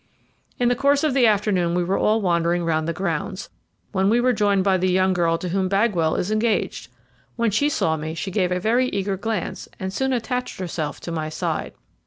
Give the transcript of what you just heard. "In the course of the afternoon we were all wandering round the grounds, when we were joined by the young girl to whom Bagwell is engaged. When she saw me she gave me a very eager glance, and soon attached herself to my side.